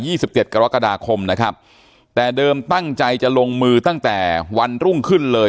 สิบเจ็ดกรกฎาคมนะครับแต่เดิมตั้งใจจะลงมือตั้งแต่วันรุ่งขึ้นเลย